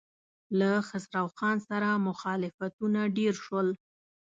له خسرو خان سره مخالفتونه ډېر شول.